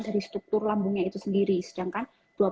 dari struktur lambungnya itu sendiri sedangkan